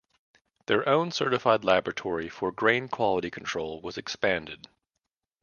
Their own certified laboratory for grain quality control was expanded.